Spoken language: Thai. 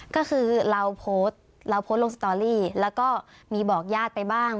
ก็คือเราโพสต์เราโพสต์ลงสตอรี่แล้วก็มีบอกญาติไปบ้าง